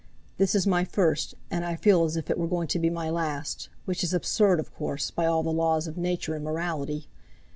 This is my first, and I feel as if it were going to be my last, which is absurd, of course, by all the laws of Nature and morality.